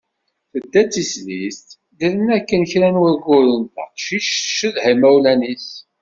Tedda d tislit, ddren akken kra n wagguren, taqcict tcedha imawlan-is.